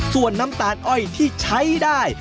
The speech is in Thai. ส่วนน้ำตาลอ้อยที่ใช้ได้